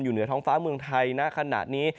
อยู่เหนือท้องฟ้าเมืองไทยนะขนาดนี้